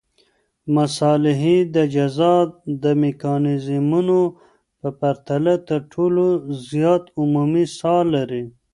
مصالحې د جزا د میکانیزمونو په پرتله تر ټولو زیات عمومي ساه لري.